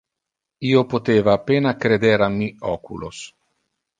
Io poteva a pena creder a mi oculos.